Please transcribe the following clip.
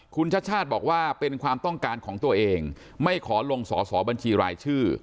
คุณชาติชาติบอกว่าเป็นความต้องการของตัวเองไม่ขอลงสอสอบัญชีรายชื่อ